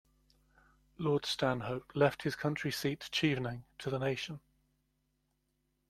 Lord Stanhope left his country seat Chevening to the nation.